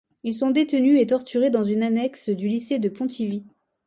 Ils sont détenus et torturés dans une annexe du lycée de Pontivy.